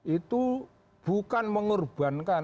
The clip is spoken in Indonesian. itu bukan mengerbankan